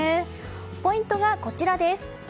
ポイントが、こちらです。